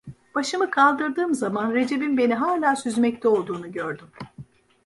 Başımı kaldırdığım zaman Recep'in beni hala süzmekte olduğunu gördüm.